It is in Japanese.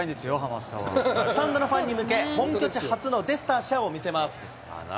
スタンドのファンに向け、本拠地初のデスターシャを見せます。